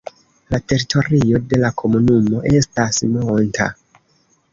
La teritorio de la komunumo estas monta.